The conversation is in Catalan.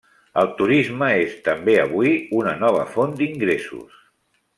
El turisme és també avui una nova font d'ingressos.